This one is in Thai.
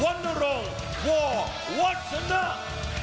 วันอลงควอวันสนับ